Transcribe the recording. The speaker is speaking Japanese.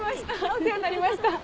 お世話になりました。